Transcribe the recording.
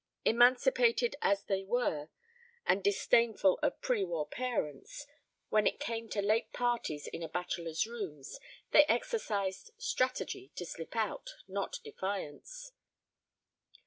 Emancipated as they were and disdainful of pre war parents, when it came to late parties in a bachelor's rooms they exercised strategy to slip out, not defiance.